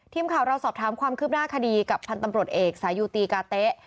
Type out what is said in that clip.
ทีมข่าวเราสอบถามความคืบหน้าคดีกับพันธ์ตำรวจเอกสายุตีกาเต๊ะ